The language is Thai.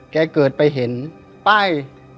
เกิดไปเห็นป้าย